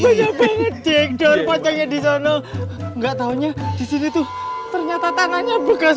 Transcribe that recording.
banyak banget dekdar pocongnya disana enggak taunya disini tuh ternyata tangannya bekas